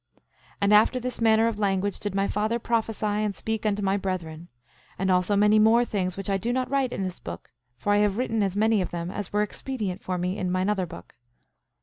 10:15 And after this manner of language did my father prophesy and speak unto my brethren, and also many more things which I do not write in this book; for I have written as many of them as were expedient for me in mine other book.